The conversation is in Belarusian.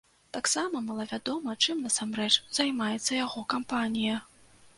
Таксама малавядома, чым насамрэч займаецца яго кампанія.